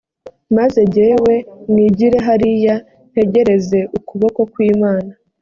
maze jyewe nigire hariya ntegereze ukuboko kw’imana